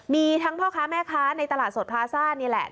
มีทั้งพ่อค้าแม่ค้าในตลาดสดพลาซ่านี่แหละ